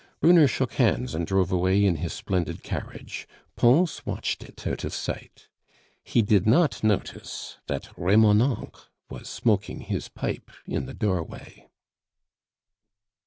Brunner shook hands and drove away in his splendid carriage. Pons watched it out of sight. He did not notice that Remonencq was smoking his pipe in the doorway.